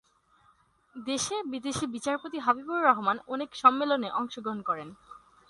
দেশে-বিদেশে বিচারপতি হাবিবুর রহমান অনেক সম্মেলনে অংশগ্রহণ করেন।